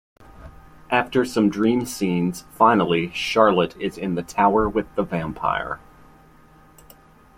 After some dream scenes, finally, Charlotte is in the tower with the vampire.